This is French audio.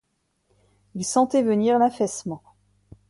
Il sentait venir l’affaissement.